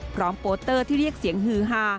พร้อมโปเตอร์ที่เรียกเสียงหือหา